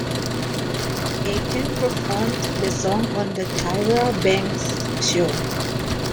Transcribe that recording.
Aiken performed the song on "The Tyra Banks Show".